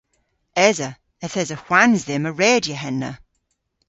Esa. Yth esa hwans dhymm a redya henna.